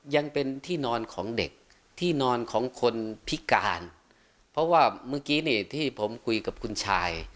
ยังเป็นที่นอนของเด็กที่นอนของคนพิการเพราะว่าเมื่อกี้นี่ที่ผมคุยกับคุณชาย